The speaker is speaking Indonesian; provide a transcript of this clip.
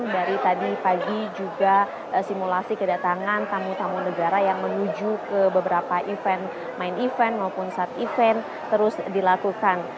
dari tadi pagi juga simulasi kedatangan tamu tamu negara yang menuju ke beberapa event main event maupun saat event terus dilakukan